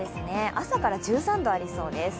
朝から１３度ありそうです。